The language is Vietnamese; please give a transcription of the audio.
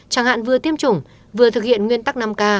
chẳng hạn vừa tiêm chủng vừa thực hiện nguyên tắc năm k